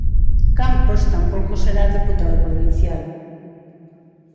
Campos tampouco será deputado provincial.